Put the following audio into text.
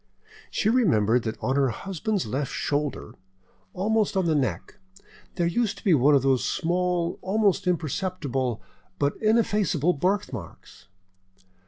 She remembered that on her husband's left shoulder, almost on the neck, there used to be one of those small, almost imperceptible, but ineffaceable birthmarks.